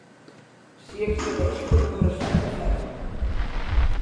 S'hi accedeix per un reixat de ferro.